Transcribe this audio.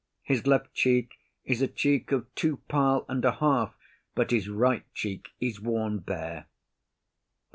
His left cheek is a cheek of two pile and a half, but his right cheek is worn bare.